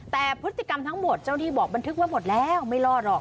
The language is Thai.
แต่พฤติกรรมทั้งหมดเจ้าหน้าที่บอกบันทึกว่าหมดแล้วไม่รอดหรอก